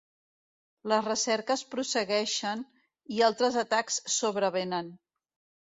Les recerques prossegueixen, i altres atacs sobrevenen.